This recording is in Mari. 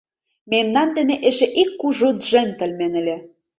— Мемнан дене эше ик кужу джентльмен ыле.